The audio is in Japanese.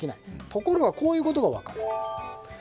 ところが、こういうことが分かる。